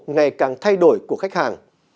ngày càng thay đổi của khách hàng